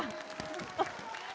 tepuk tangan dulu yang meriah